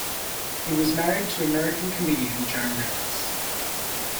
He was married to American comedian Joan Rivers.